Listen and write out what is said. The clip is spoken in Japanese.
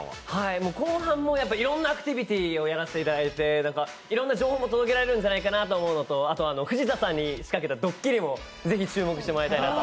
後半もいろんなアクティビティーをやらせていただいていろいろな情報も届けられるんじゃないかなと思うのと、あと藤田さんに仕掛けたドッキリもぜひ注目してもらいたいと。